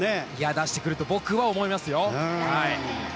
出してくると僕は思います。